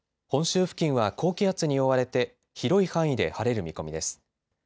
本州付近は高気圧に覆われて広い範囲で晴れる見込みです。